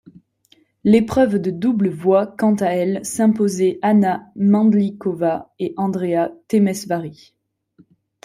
L'épreuve de double voit quant à elle s'imposer Hana Mandlíková et Andrea Temesvári.